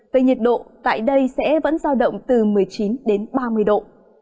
về nhiệt độ tại đây sẽ vẫn giao động từ một mươi chín đến ba mươi độ